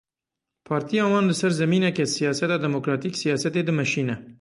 Partiya wan li ser zemînekê siyaseta demokratîk siyasetê dimeşîne.